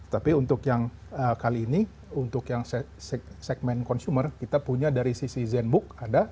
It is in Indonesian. tapi untuk yang kali ini untuk yang segmen consumer kita punya dari sisi zenbook ada